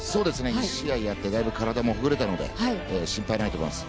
１試合やってだいぶ体もほぐれたので心配ないと思います。